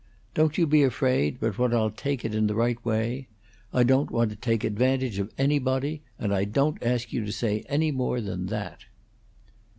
Don't you be afraid but what I'll take it in the right way. I don't want to take advantage of anybody, and I don't ask you to say any more than that."